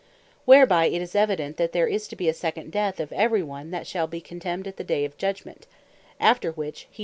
Whereby it is evident, that there is to bee a Second Death of every one that shall bee condemned at the day of Judgement, after which hee shall die no more.